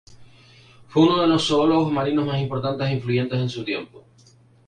Fue uno de los zoólogos marinos más importantes e influyentes de su tiempo.